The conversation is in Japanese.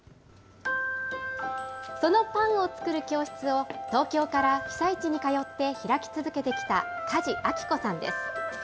そのパンを作る教室を、東京から被災地に通って開き続けてきた梶晶子さんです。